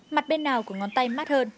mặt bên nào của ngón tay mát hơn